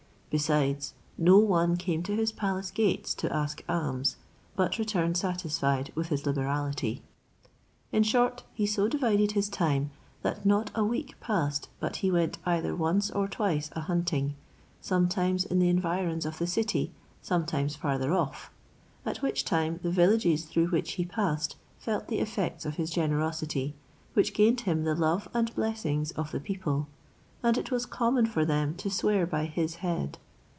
Besides, no one came to his palace gates to ask alms, but returned satisfied with his liberality. In short, he so divided his time, that not a week passed but he went either once or twice a hunting, sometimes in the environs of the city, sometimes farther off; at which time the villages through which he passed felt the effects of his generosity, which gained him the love and blessings of the people: and it was common for them to swear by his head.